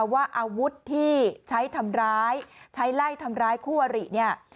ว่าอาวุธที่ใช้ไล่ทำร้ายคู่วริ